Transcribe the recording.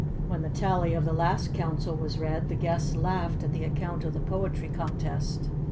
When the tally of the last Council was read the guests laughed at the account of the poetry contest.